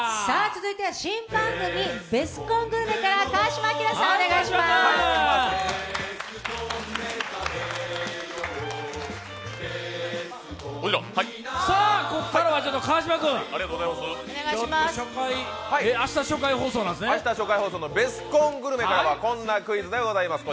続いて新番組「ベスコングルメ」から川島さんお願いします。